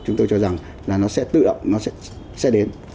chúng tôi cho rằng là nó sẽ tự động nó sẽ đến